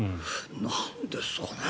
なんでですかね。